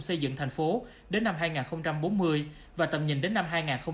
xây dựng thành phố đến năm hai nghìn bốn mươi và tầm nhìn đến năm hai nghìn bốn mươi